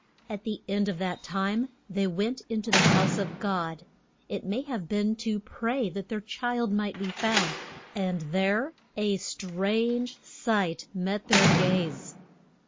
At the end of that time they went in to the house of God, it may have been to pray that their child might be found, and there a strange sight met their gaze.